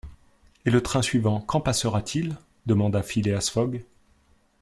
Et le train suivant, quand passera-t-il? demanda Phileas Fogg.